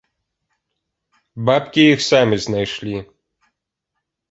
Бабкі іх самі знайшлі!